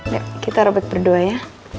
yuk kita robek berduanya